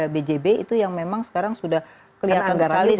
bjb itu yang memang sekarang sudah kelihatan sekali